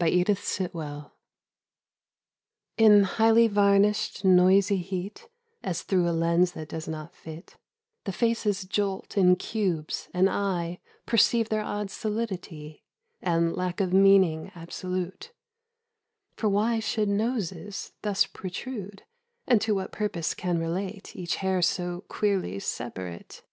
87 EDITH SITWELL. STOPPING PLACE. IN highly varnished noisy heat As through a lens that does not fit— The faces jolt in cubes and I Perceive their odd solidity And lack of meaning absolute : For why should noses thus protrude And to what purpose can relate Each hair so queerly separate